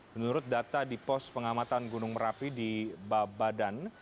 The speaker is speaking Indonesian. menurut data di pos pengamatan gunung merapi di babadan